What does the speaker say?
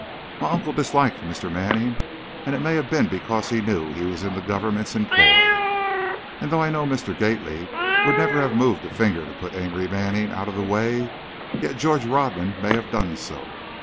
My uncle disliked Mr. Manning, and it may have been because he knew he was in the Government's employ. And though I know Mr. Gately would never have moved a finger to put Amory Manning out of the way, yet George Rodman may have done so.